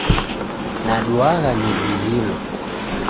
Naduagha nizughilo.